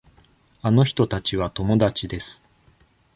あの人たちは友達です。